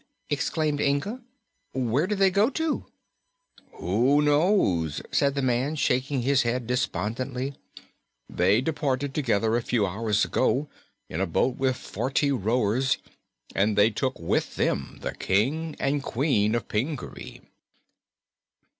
exclaimed Inga. "Where did they go to?" "Who knows?" said the man, shaking his head despondently. "They departed together a few hours ago, in a boat with forty rowers, and they took with them the King and Queen of Pingaree!"